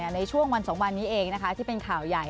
ในช่วงวัน๒วันนี้เองที่เป็นข่าวใหญ่